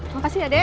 makasih ya dek